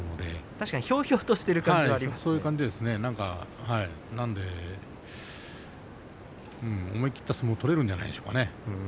確かにひょうひょうとしている感じがなので思い切った相撲を取れるんじゃないでしょうかね。